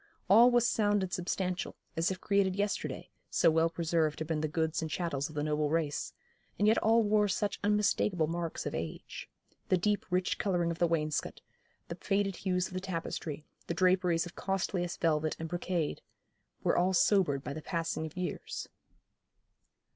All was sound and substantial, as if created yesterday, so well preserved had been the goods and chattels of the noble race; and yet all wore such unmistakeable marks of age. The deep rich colouring of the wainscot, the faded hues of the tapestry, the draperies of costliest velvet and brocade, were all sobered by the passing of years.